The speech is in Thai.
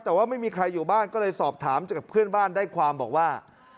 แต่ว่าไม่มีใครอยู่บ้านก็เลยสอบถามจากเพื่อนบ้านได้ความบอกว่า